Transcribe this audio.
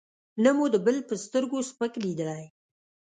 نه مو د بل په سترګو سپک لېدلی.